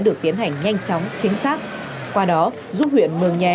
và nó sẽ tiến hành nhanh chóng chính xác qua đó giúp huyện mường nhé